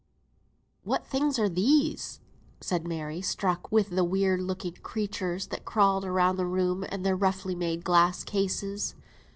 "What things are these?" said Mary, struck with the weird looking creatures that sprawled around the room in their roughly made glass cases.